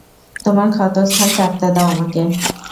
তোমার ক্ষতস্থান চাটতে দাও আমাকে।